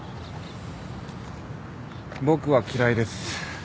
僕は嫌いです。